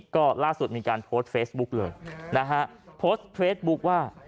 ก็ล่าสุดมีการโพสต์เฟซบุ๊กเลยนะฮะโพสต์เฟซบุ๊คว่า